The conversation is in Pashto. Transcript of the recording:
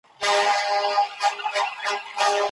شېر سرخ مزار چیرته موقعیت لري؟